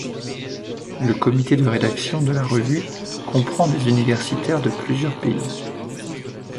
Le comité de rédaction de la revue comprend des universitaires de plusieurs pays.